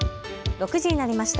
６時になりました。